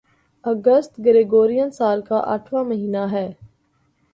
اگست Gregorian سال کا آٹھواں مہینہ ہے